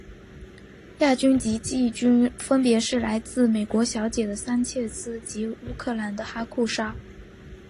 亚军及季军分别是来自美国小姐的桑切斯及乌克兰的哈库沙。